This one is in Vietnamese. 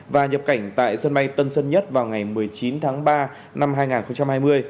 và nhập cảnh tại sân bay tân sơn nhất vào ngày một mươi chín tháng ba năm hai nghìn hai mươi